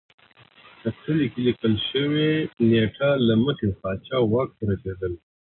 په څلي کې لیکل شوې نېټه له مخې پاچا واک ته رسېدلی